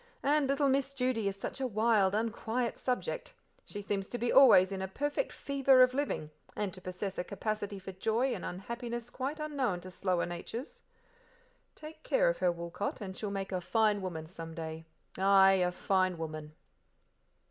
And little Miss Judy is such a wild, unquiet subject; she seems to be always in a perfect fever of living, and to possess a capacity for joy and unhappiness quite unknown to slower natures. Take care of her, Woolcot, and she'll make a fine woman some day ay, a grand woman."